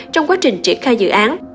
trong quá trình triển khai dự án